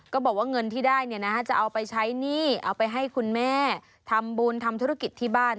ก็บอกว่าเงินที่ได้จะเอาไปใช้หนี้เอาไปให้คุณแม่ทำบุญทำธุรกิจที่บ้าน